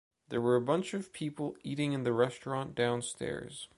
There were a bunch of people eating in the restaurant downstairs